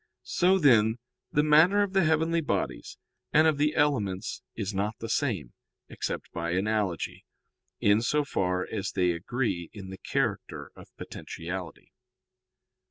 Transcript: So, then, the matter of the heavenly bodies and of the elements is not the same, except by analogy, in so far as they agree in the character of potentiality.